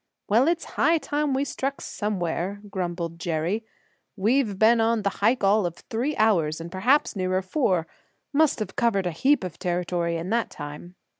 "Well, it's high time we struck somewhere," grumbled Jerry. "We've been on the hike all of three hours and perhaps nearer four. Must have covered a heap of territory in that time."